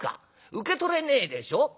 受け取れねえでしょ。